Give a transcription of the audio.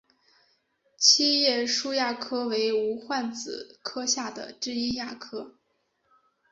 七叶树亚科为无患子科下之一亚科。